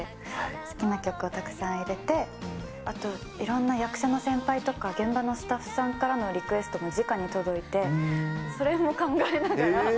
好きな曲をたくさん入れて、あといろんな役者の先輩とか、現場のスタッフさんからのリクエストもじかに届いて、それも考えながら。